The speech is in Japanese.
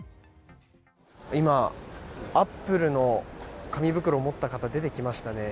今、アップルの紙袋を持った方出てきましたね。